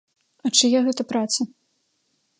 А чыя гэта праца?